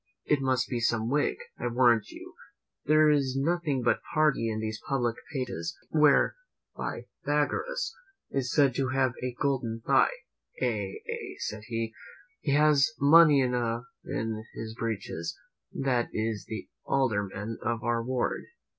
It must be some Whig, I warrant you. There is nothing but party in these public papers." Where Pythagoras is said to have a golden thigh, "Ay, ay," said he, "he has money enough in his breeches; that is the alderman of our ward."